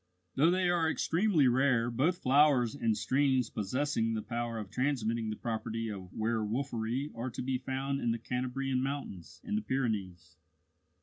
Though they are extremely rare, both flowers and streams possessing the power of transmitting the property of werwolfery are to be found in the Cantabrian mountains and the Pyrenees.